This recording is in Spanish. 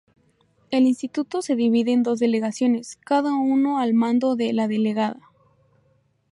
El instituto se divide en dos delegaciones, cada uno al mando de la delegada.